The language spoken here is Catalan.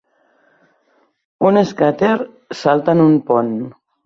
Un skater salta en un pont.